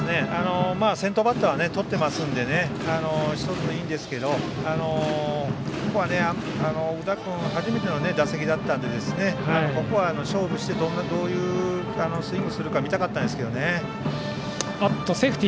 先頭バッターはとっていますのでいいんですけど、ここは宇田君初めての打席だったのでここは勝負してどんなスイングをするか見たかったんですけどね。